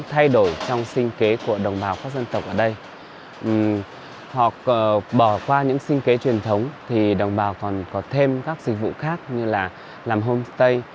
khi bỏ qua những sinh kế truyền thống thì đồng bào còn có thêm các dịch vụ khác như là làm homestay